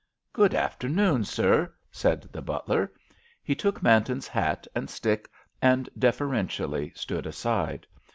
"Good afternoon, sir," said the butler. He took Manton's hat and stick, and deferentially stood aside.